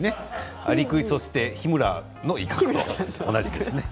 アリクイと日村の威嚇と同じですね。